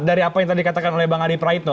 dari apa yang tadi katakan oleh bang adi praitno